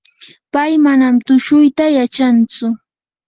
pay manam tushuyta yachantsu.